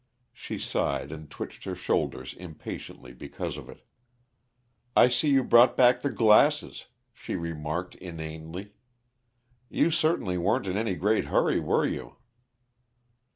She sighed, and twitched her shoulders impatiently because of it. "I see you brought back the glasses," she remarked inanely. "You certainly weren't in any great hurry, were you?"